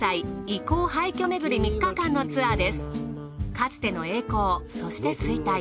かつての栄光そして衰退。